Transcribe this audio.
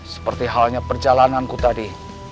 seperti halnya perjalananku tadi